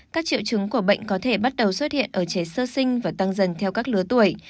các triệu chứng của bệnh có thể bắt đầu xuất hiện ở trẻ sơ sinh và tăng dần theo các lứa tuổi